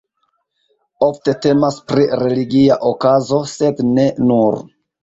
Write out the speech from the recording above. Ofte temas pri religia okazo, sed ne nur.